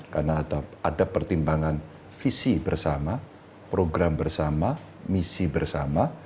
karena ada pertimbangan visi bersama program bersama misi bersama